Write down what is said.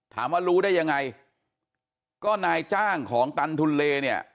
รู้ได้ยังไงก็นายจ้างของตันทุนเลเนี่ย